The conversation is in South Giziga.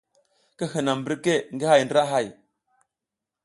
Ki hinam mbirke ngi hay ndra hay.